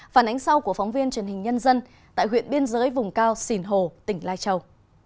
phản ánh sau của phóng viên truyền hình nhân dân tại huyện biên giới vùng cao sìn hồ tỉnh lai châu